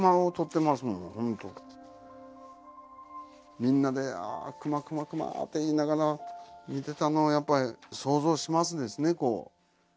みんなで「クマクマクマ」って言いながら見てたのをやっぱり想像しますですねこう。